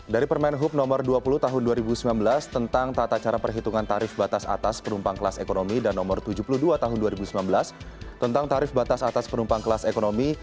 dari permen hub nomor dua puluh tahun dua ribu sembilan belas tentang tata cara perhitungan tarif batas atas penumpang kelas ekonomi dan nomor tujuh puluh dua tahun dua ribu sembilan belas tentang tarif batas atas penumpang kelas ekonomi